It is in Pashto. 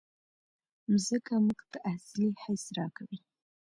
مځکه موږ ته اصلي حس راکوي.